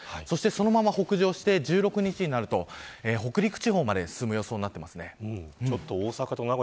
そのまま北上して１６日になると北陸地方まで進む予想になっています。